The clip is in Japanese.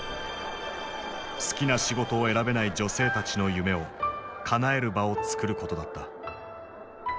好きな仕事を選べない女性たちの夢をかなえる場をつくることだった。